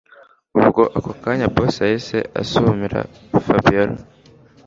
Ubwo ako kanya boss yahise asumira Fabiora